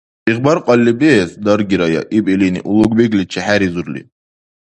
— Игъбар кали биэс, даргирая, — иб илини, Уллубегличи хӀеризурли.